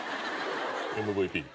ＭＶＰ？